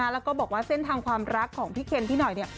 แล้วก็บอกว่าเส้นทางความรักของพี่เคนพี่หน่อยเนี่ย